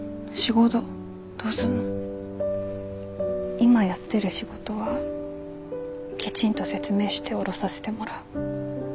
今やってる仕事はきちんと説明して降ろさせてもらう。